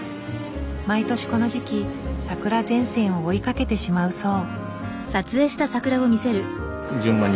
毎年この時期桜前線を追いかけてしまうそう。